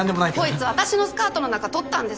コイツ私のスカートの中撮ったんです！